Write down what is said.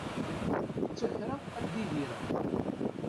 Ttakreɣ ad idireɣ.